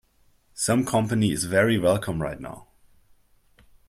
Some company is very welcome right now.